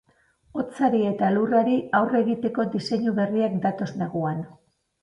Hotzari eta elurrari aurre egiteko diseinu berriak datoz neguan.